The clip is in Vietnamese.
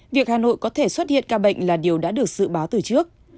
việc hà nội có thể xuất hiện ca bệnh là điều đã được dự báo từ trước